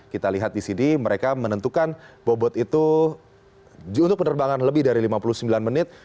kita lihat di sini mereka menentukan bobot itu untuk penerbangan lebih dari lima puluh sembilan menit